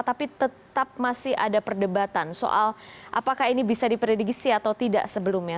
tapi tetap masih ada perdebatan soal apakah ini bisa diprediksi atau tidak sebelumnya